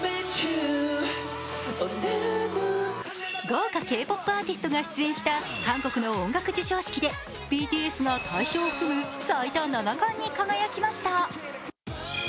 豪華Ｋ−ＰＯＰアーティストが出演した韓国の音楽授賞式でＢＴＳが対象を含む最多７冠に輝きました。